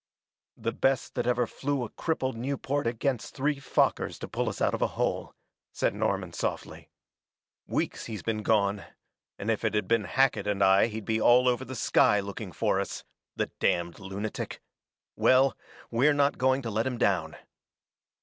"The best that ever flew a crippled Nieuport against three Fokkers to pull us out of a hole," said Norman softly. "Weeks he's been gone, and if it had been Hackett and I he'd be all over the sky looking for us the damned lunatic. Well, we're not going to let him down."